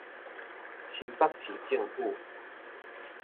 新北市政府